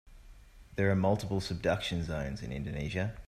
There are multiple subduction zones in Indonesia.